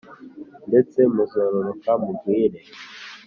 Ndetse muzororoka mugwire